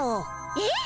えっ？